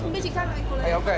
đây đây đây